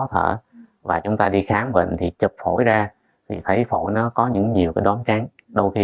thở và chúng ta đi khám bệnh thì chụp phổi ra thì thấy phổi nó có những nhiều cái đón trắng đôi khi